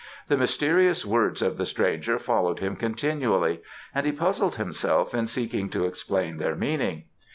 The mysterious words of the stranger followed him continually, and he puzzled himself in seeking to explain their meaning.